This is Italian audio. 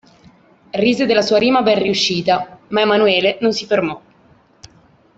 Rise della sua rima ben riuscita, ma Emanuele non si fermò.